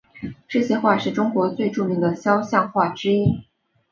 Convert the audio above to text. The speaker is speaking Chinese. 这些画是中国最著名的肖像画之一。